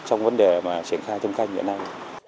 trong vấn đề mà triển khai thâm canh hiện nay